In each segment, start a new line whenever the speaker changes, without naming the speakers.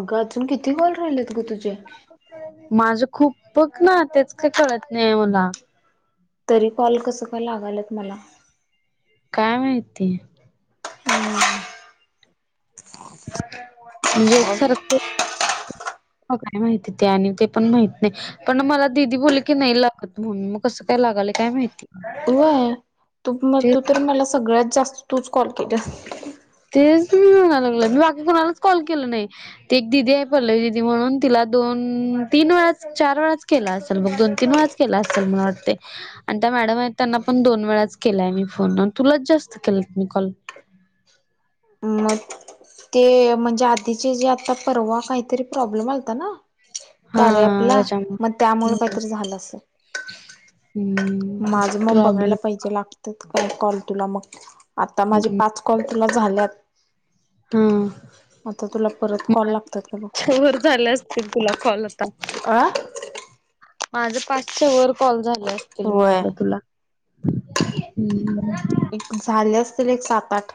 अगं अजून किती कॉल राहिलेत ग तुझे?
माझं खूप बघ ना तेच काही कळत नाही मला.
तरी कॉल कस का लागालत मला?
काय माहिती? म्हणजे एकसर मग काय माहिती ते आणि ते पण माहित नाही पण मला दिदी बोलले की नाही लागत म्हणून मग कसं काय लागत. काय माहिती?
व्हय
ते
तू तर मला सगळ्यात जास्त तूच कॉल केल्यास.
तेच म्हणाय मी लागलं मी बाकी कोुणालाच कॉल केलं नाही ते एक दिदी आहे पलव्वीदीदी म्हणून तिला, दोन-तीन चार वेळाच केला असेल बघ, दोन-तीन वेळाच केला असेल मला वाटतंय आणि, मॅडम आहे त्यांना पण दोन वेळाच केलाय मी फोन तुला जास्त केला म कॉल.
मग ते म्हणजे आधीचे जे आता परवा काहीतरी प्रॉब्लेम आलता ना?
हा
कार्य ॲपला मग त्यामुळे
त्याच्यामुळे
काहीतरी झालं असलं.
हम्म
माझं मग बघायला
प्रॉब्लेम
पाहिजे लागतेत काय कॉल तुला मग? आता माझे पाच कॉल तुला झालेत.
हा
तुला परत कॉल लागतात का बघ
माोर झाले असतील तुला. कॉल आता.
अ
माझ पाचे वर कॉल झा असतील
व्हय
म्हंटलं तुला ह्
एक झाले असतील एक सात आठ,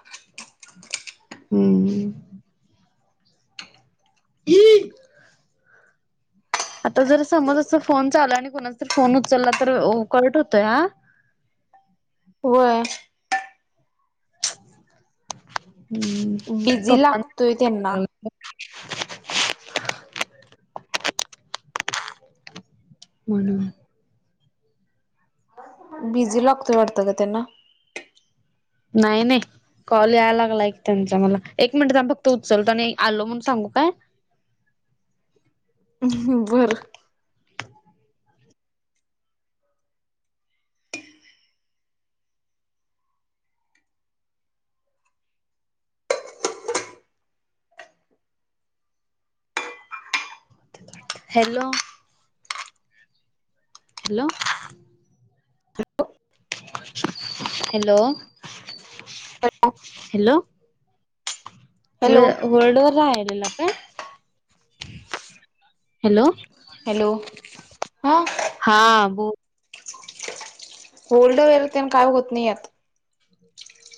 हम्म हम्म ह आता जर समज अस फोन चाल आणि कोणा फोन उचलला तर कट होतोय हा?
हो
हम्म
बिझी
पप्पा
लागतोय त्यांना
कॉल यायला लागलाय. ह म्हणून
बिझी लागतोय वाटत का त्यांना.
नाही नाही कॉल यायला लागला एक त्यांचा मला एक मिनिटम् फक्त उचलतो आणि आलो म्हण सांगू काय? [unintelligible]
बर
hello hello hello hello
hello
होल्डवरर राहिलेला काय? हॅलो
हॅलो हा
हा ब
होल्ड वर तेन काय होत नाही ह्यात.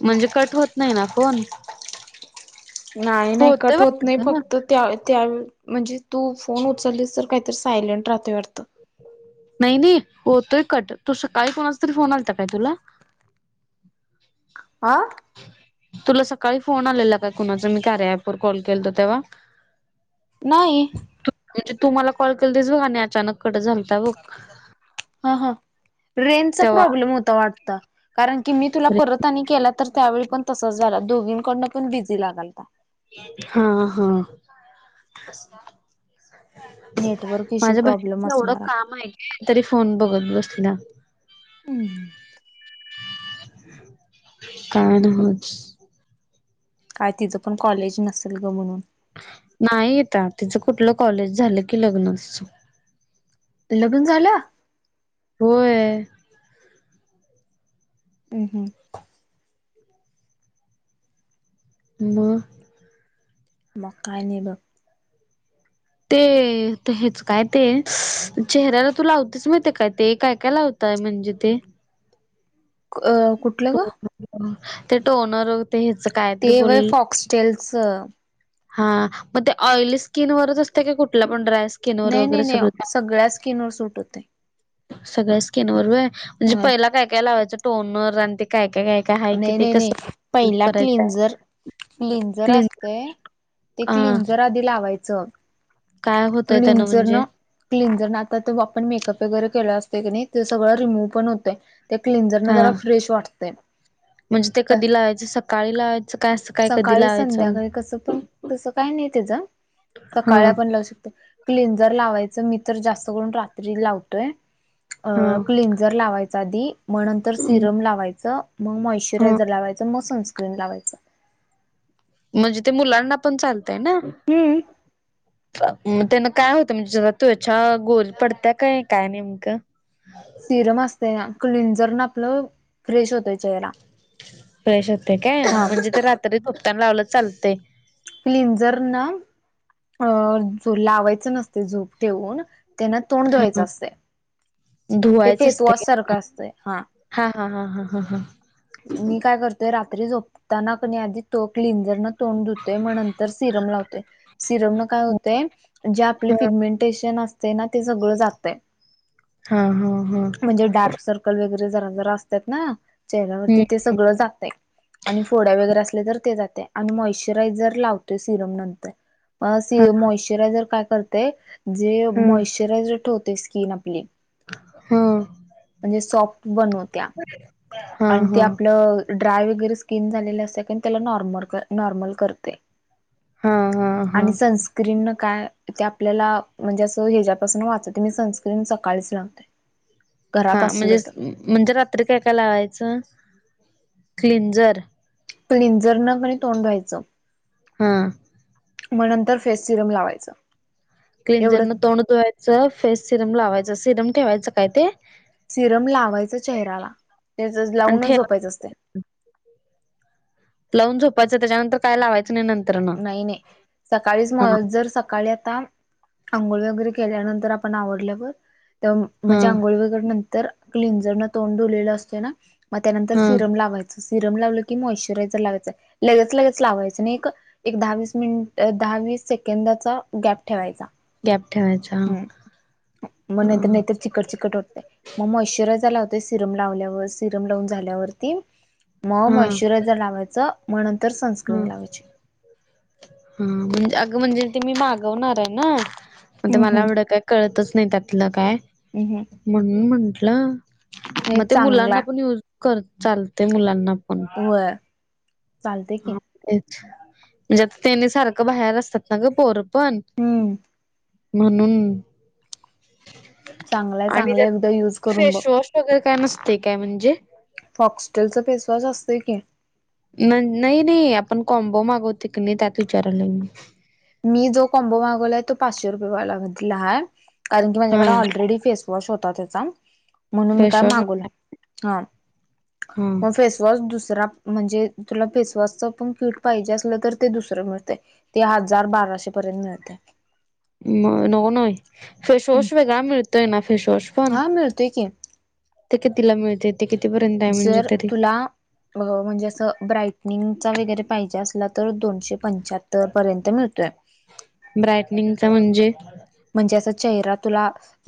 म्हणजे कट होत नाही ना फोन?
नाही नाही
होतोय
कट होत
वाटत
नाही
का
फक्त त्या त्या म्हणजे तू फोन उचललीस तर काही, तर सायलेट राहते वाटत.
नाही नाही होतोय कट तू सकाळी कोणा तरी फोन आलाता काय तुला?
आ
तुला सकाळी फोन आलेला काय कुणाच मी कार्या पवर कॉल केलत तेव्हा?
नाही
म्हणजे तुम्हाला कॉल केल दिस बघा आणि अचानक कटं झालं
हा हा ट्रेनचा
तेव्हा
प्रॉब्लेम होता वाटत कारण की मी तुला परत केला तर त्यावेळी पण तसच झालं दोघींकडनं पण बिझी लागाल का
हा हा
नेटवर्क इश्यू
माझ्या
प्रॉब्लेम
बहिणीच एवढं
असणार
काम आहे का तरी फोन बघत बसली ना
हम्म
कार होच
काय तिचं पण कॉलेज नसेल ग म्हणून
नाही येत तिचं कुठलं कॉलेज झालं की लग्न अस
लग्न झालं
होय
हम् हम
बर
मकायने ब
ते तर हेच काय ते चेहऱ्याला तू लावतेच माहिती काय ते काय काय लावते काय म्हणजे ते
अ कुठलं ग
टोनर ते टोनर ते ह्याच काय
ते
तरी बोल
वय फॉक्सटेलस
हा मग ते ऑइली स्किनवररच असते का कुठला पण ड्रा
न ने न सगळ्या स्किनवर सुूट होते
सगळ्या स्किन वर व म्हणजे पहिला काय काय लावायचं टोन वर आणि ते काय काय काय काय हाय कि
नाही
ते
नाही नाही
कसं
पहिला
करायचं
क्लंजर क्लिंजर
क्लीन
असतय ते
हा
क्लनझर आधी लावायचं
काय होतय त्यानं
क्लिंझर
म्हणजे
ना क्लिंजर न आता त आपण मेकअप वगैरे केलं असते क नाही ते सगळं रिमूव्ह पण होतेय ते क्लिनझर न
हा
जरा फ्रेश वाटते
म्हणजे ते कधी लावायचं सकाळी लावायचं काय असं काय कधी
सकाळी
लावायचं
संध्याकाळी कस पण तसं काय नाही तेच आप
हा
क जास्त करून रात्री लावतोय
हा
क्लंजर लावायचा आधी मग नंतर सिरम लावायचं मग
हा
मॉइशचरायझर लावायचं मग संस् स्क्रीन लावायचं
म्हणज मुलांना पण चालतय ना
हम्म
म त्यान काय होतं म्हणजे ज तू ह्याच्या गोल पडत्या काय काय नेमकं
सिरम असत ना क्लंजर ना आपलं फ्रेश होतय
फ्रेश होते काय
हा
म्हणजे ते रात्री भुकतान लावलं चालते
क्लिंजर ना अ लावायचं नसते झोप ठेवून त्यांना तोंड
हा
धुवायचं असत ते
धुवायच असते
फेसवॉश
काय?
सारखं असतय हा
हा हा हा हा
मी काय करतोय रात्री झोपताना क आधी तो क्लिंजर न तोंड ुतो ग नंतर सिरम लावतो सिरम न काय होतेय जे आपले फिगमेंटेशन अस ते सगळ जातय
हा हा हा हा हा
म्हणजे डार्क सर्कल वगे ज असतात ना चेहऱ्यावरती ते सगळ जात आणि फोड्या वगैरे असले तर ते जात मचरार लावतो सिरम नंतर म मचरारय करते जे
हम्म
मॉशचरायज ठेवते स्किन आपली
हा हा
म्हणजे सॉफ्ट बनवत्या
हा
आणि ते
हा
आपलं ड्राय वगैरे स्किन झालेले असत कार त्याला नॉर्मल नॉर्मल करते
हा हा
आणि
हा
सनस्क्रीन न काय ते आपल्याला म्हणजे असं ह्याच्यापासून वाचत मी सनस्क्रीन सकाळीच लावतेय
हा म्हणजे म्हणजे रात्री काय काय लावायच चन क्लिंजर
क्लिंजर न पण तोंड धुवायचं.
हा..
मग नंतर फेस सिरम लावायचं... एवढं
क्लिंजरन तोड धुवायचं. फेस सिरम लावायचं. सिरम ठेवायचं काय ते?
सिरम लावायच चेहर्‍याला.... तेच
आणि
लावूनच
ठेवा
झोपायचं असतय.
मग झोपायचं त्याच्यानंतर काय लावायचं? नाही नंतर न
नाही नाही.... सकाळीच
हा
मग जर सकाळी आता आंघोळी वगैरे केल्यानंतर आपण.... आवडल्यावर.... ते
हा
म्हणजे आंघोळी वगैरे नंतर क्लिंजर न तोंड धुलेलं असते ना.... मग त्यानंतर
हा
सिरम लावायच असतय लावल की मॉस्चरायजर लावायच.... लगेच लगेच लावायच नाही. एक दहावीस मिनट, दहावीस सेकंदाचा गॅप ठेवायचा.
गॅप ठेवायचा.
हम्म मग नाहीतर नाहीतर चिकट चिकट होत मग मग मॉस्चरायजर लावता सिरम लावल्यावर सिरम लावून झाल्यावरती मग
हा हा
मॉस्चरायजर लावायच मग नंतर तर सनस्क्रीन लावायची.
हा म्हणजे अगं म्हणजे ते मी मागवणार आहे ना मग ते
हम्म
मला
हम्म
एवढं काय कळतच नाही त्यातलं काय
हम्म हम्म
म्हणून म्हंटलं
नाही
मग ते
चांगला
मुलांना पण युज कर चालतेय मुलांना. पण
होय चालतेय की
तेच म्हणजे आता त्याने सारखं बाहेर असतात ग पोर पण
हम्म
म्हणून
चांगलाय
आणि
चांगला
त्यात
एकदा युज करून बघ
फेशवॉश वगैरे काय नसतंय काय म्हणजे?
असतंय कि
नाही नाही आपण कॉम्बो मागवतो की नाही त्यात विचारायला मी?
मी जो कॉम्बो मागवलाय तो पाचशे रुपयेला वाला आहे. कारण की
हा
माझ्याकडे ऑलरेडी फेसवॉश होता त्याचा म्हणून मी काय
फेशवॉश
मागवलं. हा
हा
मग फेसवॉश दुसरा सरा म्हणजे तुला फेसवॉश चा पण क्युट पाहिजे असला तरी ते दुसरं मिळतय. हजार बाराशे पर्यंत मिळते.
मग नग [inaudible] [unintelligible] नोय फेस वॉश वेगळा मिळतोय. फेशवॉश पण
हा मिळतोय की.
ते कितीला मिळतो?
जर तुला म्हणजे असं ब्राईट निंगचा वगैरे पाहिजे असला तर दोनशे पंच्याहत्तर पर्यंत मिळतोय.
ब्रायटनिंगचा म्हणजे
म्हणजे अस चेहरा तुला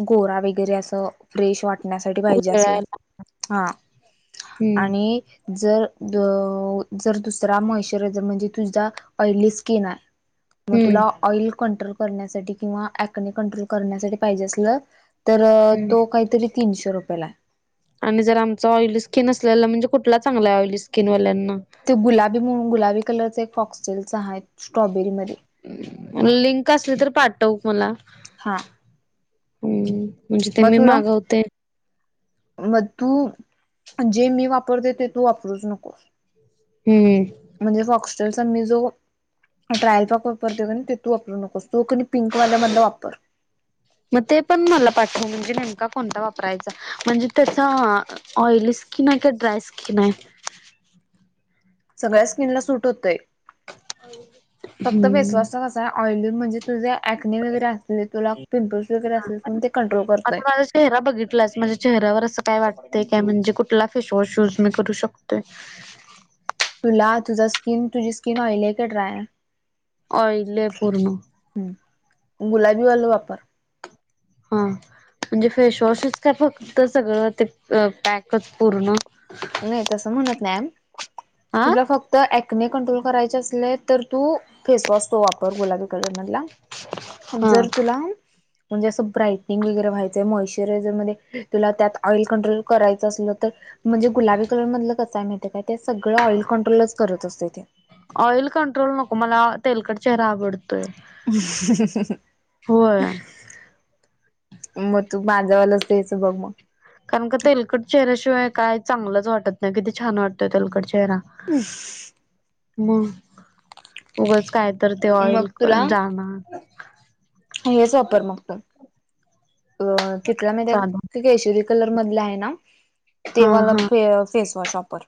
गोरा वगैरे असं फ्रेश वाटतं. वाटण्यासाठी पाहिजे असला
उजळायला
हा
हम्म
आणि जर जर दुसरा मॉच्यरायझर म्हणजे तुझा आयली स्किन आहे. मग
हम्म
तुला ऑइल कंट्रोल करण्यासाठी किंवा ॲकनें कंट्रोल करण्यासाठी पाहिजे असलं? तर
हम्म
तो काहीतरी तीनशे रुपयाला आहे.
आणि जर आमचं ऑयली स्किन असलेला म्हणजे कुठला चांगला आहे ऑयली स्किनवाल्यांना?
ते गुलाबी म्हणून गुलाबी कलरच एक फॉक्सटेलच आहे स्ट्रॉबेरीमध्ये
लिंक असली तर पाठव मला
हा.
हा म्हणजे ते
मग
मी
तुला
मागवते.
मग तु जे मी वापरते ते तू वापरूच नकोस
हम्म.
चलचल मीशो [unintelligible] ट्रायल पॅक वापरते का ते तु वापरू नकोस तो कोणी पिंक वाल्या मधला वापर.
मग ते पण मला पाठव म्हणजे नेम कोणता वापरायचा म्हणजे त्याचा ऑइली माहिती आहे ड्राय सिक्न आहे.
सगळ्या स्किन ला सूट होतय फक्त
हम्म
फेसवॉशचा कसा आहे ऑइली म्हणजे तुझा अंक्नी वगैरे असले तुला पिंपल्स वगैरे असले ते कंट्रोल करतय.
तर असं काय वाटतं का म्हणजे कुठला फेसवॉश युज मी करू शकतो?
तुला तुझा स्किन तुझी स्किन ऑइल आहे की ड्राय?
आयली पूर्ण.
आहे गुलाबी वाली वापर.
हम्म. मी फेसवॉशच काय फक्त सगळं ते पॅकच पूर्ण
नाही तसं म्हणतं नाहीय
हा
तुला फक्त अकनिक कंट्रोल करायचं असलं तर तु फेसवॉश तर वापर गुलाबी कलर मधला
हा
जर तुला म्हणजे असं ब्राईटनिंग वगैरे व्हायचंय मॉ्चरायझर मध्ये तुला त्यात ऑइल कंट्रोल करायचं असलं तर म्हणजे अ गुलाबी कलर मधलं कसं आहे माहिती आहे काय ते सगळं ऑइल कंट्रोलच करत असते ते
ऑइल कंट्रोल नको मला तेलकट चेहरा आवडतो
हम्म
होय
हम् ह म तु माझ्यावाल तेच बघ ना
कारण का तेलकट चेहऱ्याशिवाय काय चांगलंच वाटत नाही किती छान वाटतंय तेलकट चेहरा
हम्म म
मग उगच काय तर ते ऑइल पण जाणार र
मी हेच वापर मग ते ओ तिथल्या मध्ये
चालू
ती केशरी कलर मधला आहे ना
हा
तेव्हावाला
हा
फेअर फेसवॉश वापर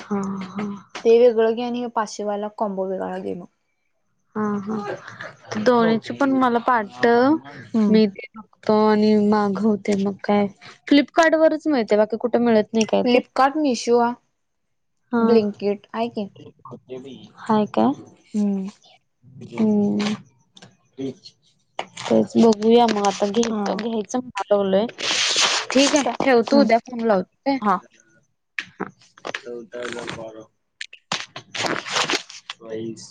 हा हा
ते वेगळं घे आणि पाचशेवाला कमबोविग देना
हा हा तर दोन्हीची पण मला पाटव
हम्म.
मी आणि मागवते मग काय फ्लिपकार्ट वरच मिळते ते कुठे मिळत नाही काय ते
फ्लिपकार्ट मिशो
हा
ब्लिंकिट आहे की
हाय काय
हम्म
य हम्म बघूया आपण पडल
हा
ते रोजच लमालवलय ठीक आहे ठेव तू
हम्म.
उद्या फोन लावतो
हा
काय चौदा हजार बावण बाईस